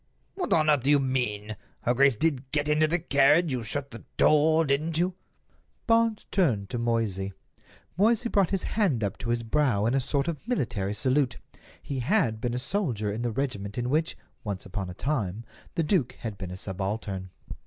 "What on earth do you mean?" "Her grace did get into the carriage; you shut the door, didn't you?" Barnes turned to Moysey. Moysey brought his hand up to his brow in a sort of military salute—he had been a soldier in the regiment in which, once upon a time, the duke had been a subaltern.